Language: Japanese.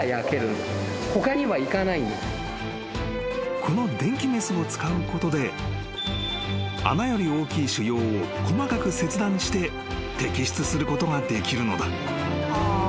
［この電気メスを使うことで穴より大きい腫瘍を細かく切断して摘出することができるのだ］